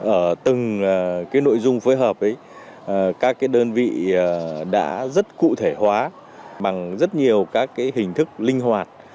ở từng nội dung phối hợp với các đơn vị đã rất cụ thể hóa bằng rất nhiều các hình thức linh hoạt